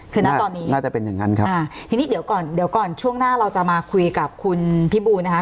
คือนะตอนนี้น่าจะเป็นอย่างนั้นครับอ่าทีนี้เดี๋ยวก่อนเดี๋ยวก่อนช่วงหน้าเราจะมาคุยกับคุณพี่บูนะคะ